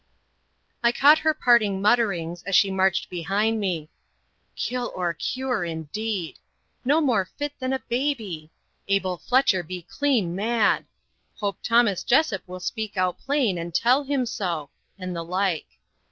I caught her parting mutterings, as she marched behind me: "Kill or cure, indeed," "No more fit than a baby," "Abel Fletcher be clean mad," "Hope Thomas Jessop will speak out plain, and tell him so," and the like.